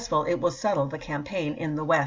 24, A ful, it will settle the campaign in the West.